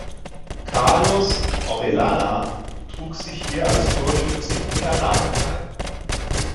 Carlos Orellana trug sich hier als Torschütze in die Annalen ein.